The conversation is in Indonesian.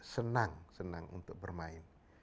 senang senang untuk bermain